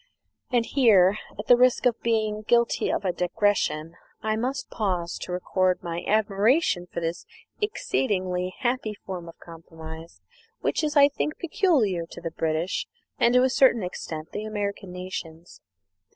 And here, at the risk of being guilty of a digression, I must pause to record my admiration for this exceedingly happy form of compromise, which is, I think, peculiar to the British and, to a certain extent, the American nations.